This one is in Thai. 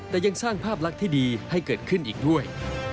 แต่ยังสร้างภาพลักษณ์ที่ดีให้เกิดขึ้นอีกด้วย